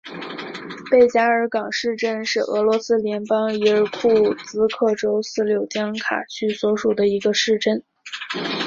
贝加尔港市镇是俄罗斯联邦伊尔库茨克州斯柳江卡区所属的一个市镇。